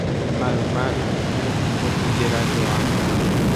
mayma yvoty ipotyjerajoa